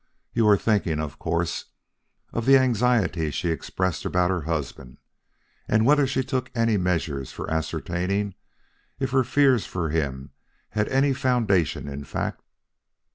You are thinking, of course, of the anxiety she expressed about her husband, and whether she took any measures for ascertaining if her fears for him had any foundation in fact?"